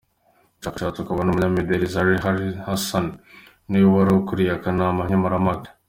Umushabitsi akaba n'Umunyamideli Zari Hassan niwe wari ukuriye akanama nkemurampaka.